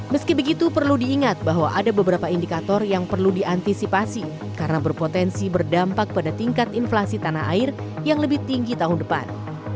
meski begitu perlu diingat bahwa ada beberapa indikator yang perlu diantisipasi karena berpotensi berdampak pada tingkat inflasi tanah air yang lebih tinggi tahun depan